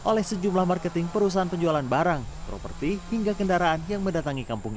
oleh sejumlah marketing perusahaan penjualan barang properti hingga kendaraan yang mendatangi kampung